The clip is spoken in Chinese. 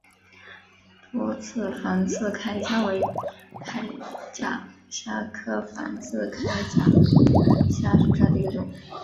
多刺仿刺铠虾为铠甲虾科仿刺铠虾属下的一个种。